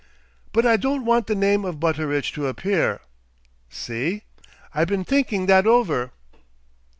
"But I don't want the name of Butteridge to appear see? I been thinking that over."